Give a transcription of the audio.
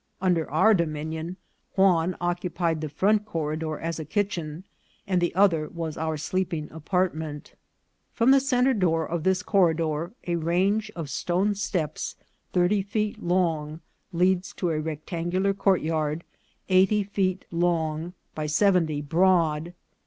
Under our dominion Juan occupied the front corridor as a kitchen, and the other was our sleeping apartment. From the centre door of this corridor a range of stone steps thirty feet long leads to a rectangular courtyard, eighty feet long by seventy broad.